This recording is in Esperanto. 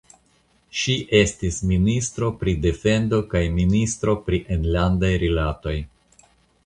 Ŝi estis ministro pri defendo kaj ministro pri enlandaj rilatoj.